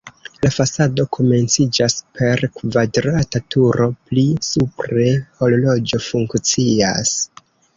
La fasado komenciĝas per kvadrata turo, pli supre horloĝo funkcias.